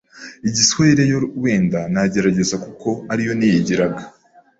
Igiswayire yo wenda nagerageza kuko ari yo niyigiraga